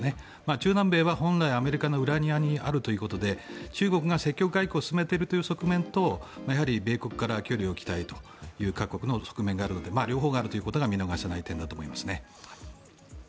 中南米は本来アメリカの裏庭にあるということで中国が積極外交を進めているという側面と米国から距離を置きたいという各国の側面があるので両方があるということが見逃せない点ですね。